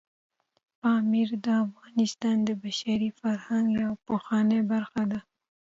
پامیر د افغانستان د بشري فرهنګ یوه پخوانۍ برخه ده.